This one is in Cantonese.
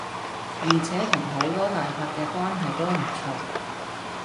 而且同好多大客既關係都唔錯